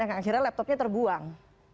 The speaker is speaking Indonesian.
akhirnya laptopnya terbuang